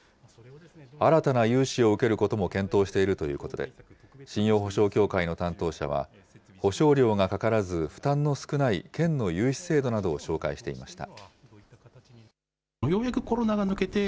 新たな融資を受けることも検討しているということで、信用保証協会の担当者は、保証料がかからず、負担の少ない県の融資制度などを紹介していました。